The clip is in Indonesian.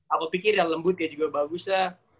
aku pikir ya lembut ya juga bagus ya